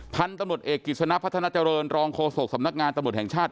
พันธุ์ตำรวจเอกกิจสนะพัฒนาเจริญรองโฆษกสำนักงานตำรวจแห่งชาติ